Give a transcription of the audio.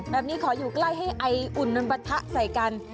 แบบนี้ขออยู่ใกล้ให้ไออุ่นมันปะทะใส่กัน